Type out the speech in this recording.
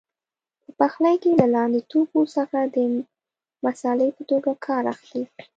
په پخلي کې له لاندې توکو څخه د مسالې په توګه کار اخلي.